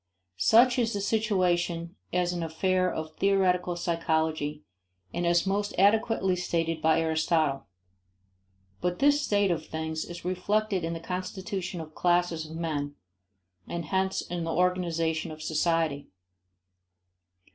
Such is the situation as an affair of theoretical psychology and as most adequately stated by Aristotle. But this state of things is reflected in the constitution of classes of men and hence in the organization of society.